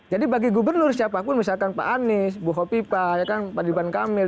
bagi gubernur siapapun misalkan pak anies bu hopipa pak diban kamil